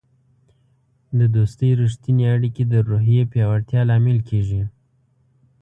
د دوستی رښتیني اړیکې د روحیې پیاوړتیا لامل کیږي.